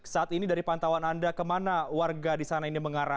saat ini dari pantauan anda kemana warga di sana ini mengarah